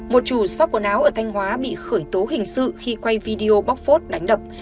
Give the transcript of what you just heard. một chủ shop quần áo ở thanh hóa bị khởi tố hình sự khi quay video bóc phốt đánh đập